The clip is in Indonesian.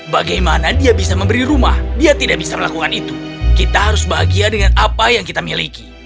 bagaimana dia bisa memberi rumah dia tidak bisa melakukan itu kita harus bahagia dengan apa yang kita miliki